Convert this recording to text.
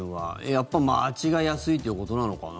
やっぱり間違えやすいということなのかな。